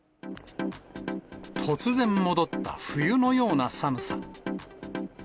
突然戻った冬のような寒さ。